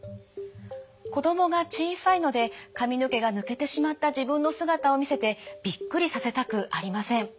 子どもが小さいので髪の毛が抜けてしまった自分の姿を見せてびっくりさせたくありません。